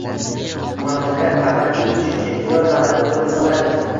Mamlakat abadiy uchinchi dunyo davlati bo'lib qoladi